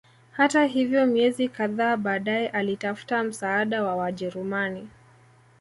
Hata hivyo miezi kadhaa baadae alitafuta msaada wa Wajerumani